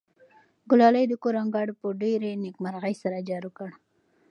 ګلالۍ د کور انګړ په ډېرې نېکمرغۍ سره جارو کړ.